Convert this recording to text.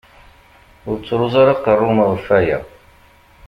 Ur ttruẓ ara aqerru-m ɣef aya!